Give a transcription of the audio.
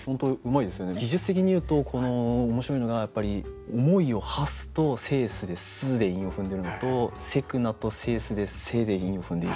技術的に言うと面白いのがやっぱり「思いを馳す」と「制す」で「す」で韻を踏んでるのと「急くな」と「制す」で「せ」で韻を踏んでいる。